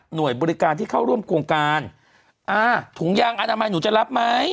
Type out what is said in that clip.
โดยบริการที่เข้าร่วมโครงการอ่าถุงยางอนามัยหนูจะรับไหม